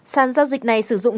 sản giao dịch này sử dụng